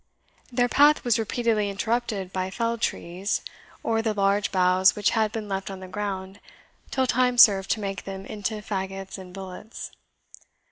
Their path was repeatedly interrupted by felled trees, or the large boughs which had been left on the ground till time served to make them into fagots and billets.